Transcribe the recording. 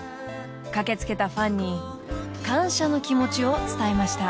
［駆け付けたファンに感謝の気持ちを伝えました］